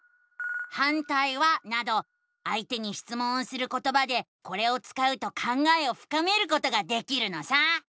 「反対は？」などあいてにしつもんをすることばでこれを使うと考えをふかめることができるのさ！